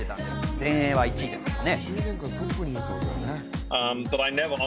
全英は１位ですかね。